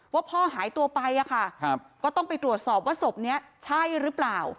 ว่าพ่อหายตัวไปอะค่ะก็ต้องไปตรวจสอบว่าศพนี้ใช่หรือเปล่า